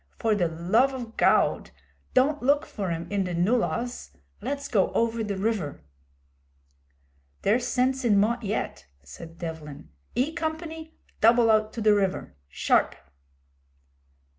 For the love o' Gawd don't look for 'im in the nullahs! Let's go over the river.' 'There's sense in Mott yet,' said Devlin. 'E Company, double out to the river sharp!'